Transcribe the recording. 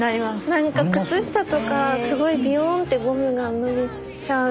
なんか靴下とかすごいビヨンってゴムが伸びちゃう。